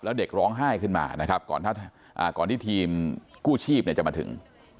แล้วเด็กร้องไห้ขึ้นมานะครับก่อนที่ทีมกู้ชีพจะมาถึง